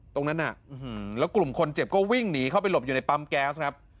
ตรงนั้นน่ะแล้วกลุ่มคนเจ็บก็วิ่งหนีเข้าไปหลบอยู่ในปั๊มแก๊สครับ